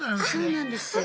そうなんです。